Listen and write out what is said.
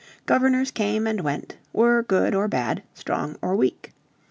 Governors came and went, were good or bad, strong or weak.